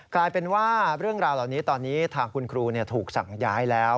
กลายเป็นว่าเรื่องราวเหล่านี้ตอนนี้ทางคุณครูถูกสั่งย้ายแล้ว